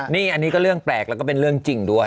นี่อันนี้ก็เรื่องแปลกแล้วก็เป็นเรื่องจริงด้วย